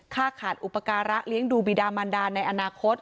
ค่าขาดอุปกรณ์รักเลี้ยงดูบิดามันดาลในอนาคต